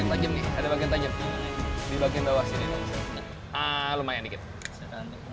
ada bagian tajam nih ada bagian tajam